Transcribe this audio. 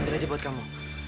ambil saja buat kamu